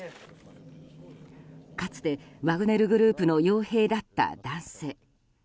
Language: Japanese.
かつて、ワグネル・グループの傭兵だった男性。